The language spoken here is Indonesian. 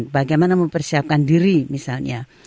bagaimana mempersiapkan diri misalnya